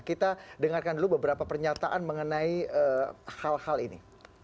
kita dengarkan dulu beberapa pernyataan mengenai hal hal ini